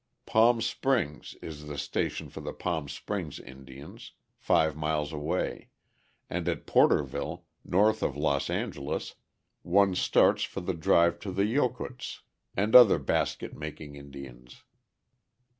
Palm Springs is the station for the Palm Springs Indians, five miles away, and at Porterville, north of Los Angeles, one starts for the drive to the Yokuts and other basket making Indians.